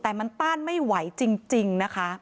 แต่มันต้านไม่ไหวจริงนะคะ